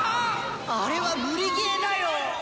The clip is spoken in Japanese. ・あれは無理ゲーだよ！